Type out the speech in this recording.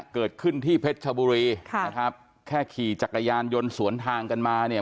เกิดขึ้นที่เพชรชบุรีค่ะนะครับแค่ขี่จักรยานยนต์สวนทางกันมาเนี่ย